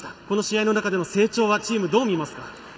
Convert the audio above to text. この試合の中での成長はチーム、どう見ますか？